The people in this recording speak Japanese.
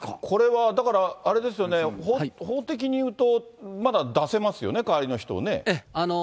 これはだから、あれですよね、法的にいうと、まだ出せますよね、代わりの人をね。